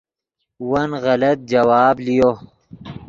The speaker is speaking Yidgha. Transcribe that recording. ون غلط جواب لیو